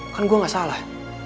kan gue gak salah